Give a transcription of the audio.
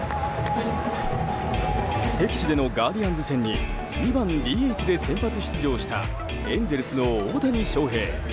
敵地でのガーディアンズ戦に２番ＤＨで先発出場したエンゼルスの大谷翔平。